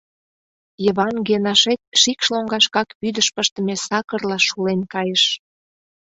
Йыван Генашет шикш лоҥгашкак вӱдыш пыштыме сакырла шулен кайыш.